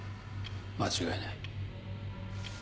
間違いない。